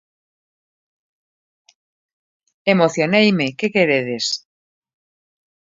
Emocioneime, que queredes!